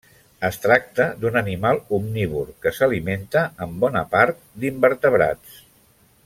Es tracta d'un animal omnívor que s'alimenta en bona part d'invertebrats.